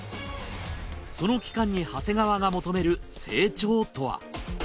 その期間に長谷川が求める成長とは？